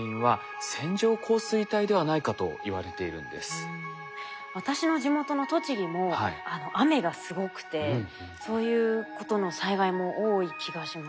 実は私の地元の栃木も雨がすごくてそういうことの災害も多い気がします。